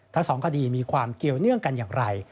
ทั้งสองคดีมีความเกี่ยวเนื่องกันอย่างไร